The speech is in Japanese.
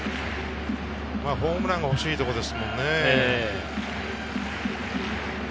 ホームランが欲しいところですもんね。